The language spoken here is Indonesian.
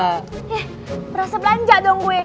eh berasa belanja dong gue